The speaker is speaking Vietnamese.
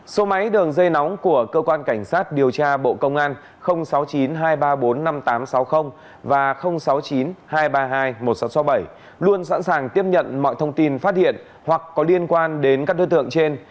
số máy đường dây nóng của cơ quan cảnh sát điều tra bộ công an sáu mươi chín hai trăm ba mươi bốn năm nghìn tám trăm sáu mươi và sáu mươi chín hai trăm ba mươi hai một nghìn sáu trăm sáu mươi bảy luôn sẵn sàng tiếp nhận mọi thông tin phát hiện hoặc có liên quan đến các đối tượng trên